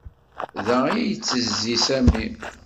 Da ay yettezzi Sami.